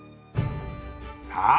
さあ